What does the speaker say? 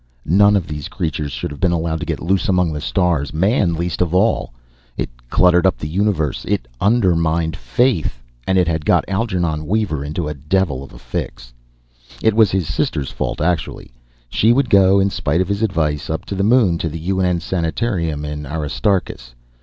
None of these creatures should have been allowed to get loose among the stars, Man least of all. It cluttered up the Universe. It undermined Faith. And it had got Algernon Weaver into the devil of a fix. It was his sister's fault, actually. She would go, in spite of his advice, up to the Moon, to the UN sanatorium in Aristarchus.